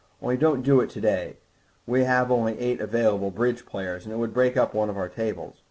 Only don't do it to day; we have only eight available bridge players, and it would break up one of our tables.